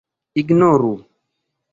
ignoru